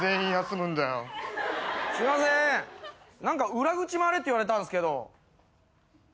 何か裏口回れって言われたんすけど。